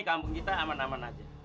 kampung kita aman aman aja